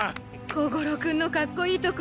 小五郎君のカッコいいとこ